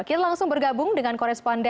kita langsung bergabung dengan koresponden